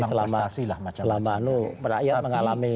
selama itu rakyat mengalami